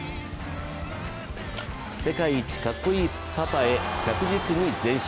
世界一かっこいいパパへ着実に前進。